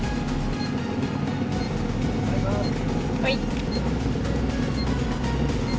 はい。